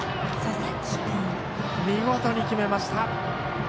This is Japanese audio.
見事に決めました。